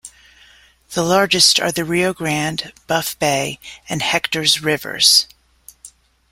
The largest are the Rio Grande, Buff Bay and Hectors rivers.